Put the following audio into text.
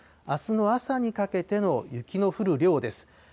あすの朝にかけての雪の降る量です。